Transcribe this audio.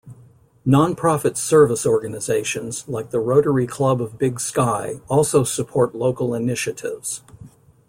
Non-profit service organizations like the Rotary Club of Big Sky also support local initiatives.